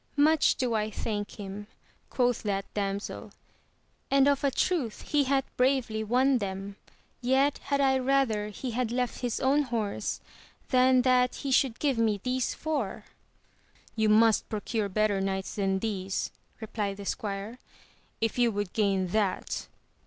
Much do I thank him, quoth that damsel, and of a truth he hath bravely won them, yet had I rather he had left his own horse than that he should give me these four. You must procure better knights than these, replied the squire, if you would gain that.